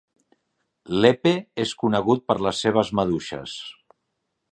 Lepe és conegut per les seves maduixes.